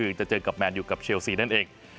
คือจะเจอกับแมนอยู่กับเชียล๔นั่นเอง